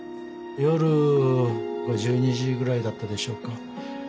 夜１２時ぐらいだったでしょうか。